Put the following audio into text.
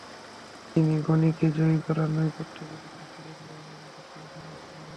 তিনি গনিকে জয়ী করার নেপথ্যে জড়িত ছিলেন বলে অভিযোগ করছেন আবদুল্লাহ।